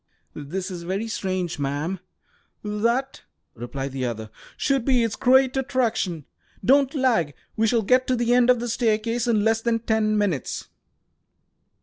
"This is very strange, ma'am!" "That," replied the other, "should be its great attraction. Don't lag. We shall get to the end of the staircase in less than ten minutes."